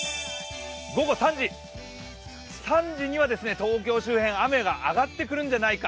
午後３時、３時には東京周辺雨が上がってくるんじゃないか。